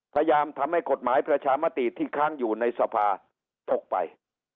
ทำให้กฎหมายประชามติที่ค้างอยู่ในสภาตกไป